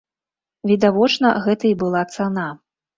Відавочна, гэта і была цана.